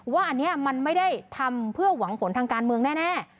ว่าอันนี้มันไม่ได้ทำเพื่อหวังผลทางการเมืองแน่